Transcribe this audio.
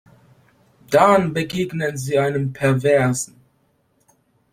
Dann begegnen sie einem Perversen.